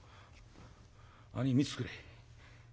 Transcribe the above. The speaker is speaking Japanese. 兄ぃ見ててくれ。